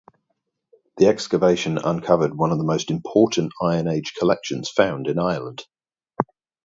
The excavation uncovered one of the most important Iron Age collections found in Ireland.